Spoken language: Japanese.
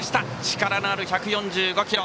力のある１４５キロ！